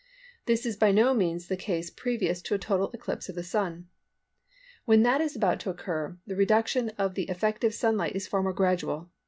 This is by no means the case previous to a total eclipse of the Sun. When that is about to occur, the reduction of the effective sunlight is far more gradual.